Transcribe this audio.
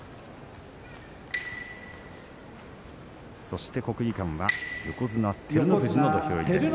そして国技館は横綱照ノ富士土俵入りです。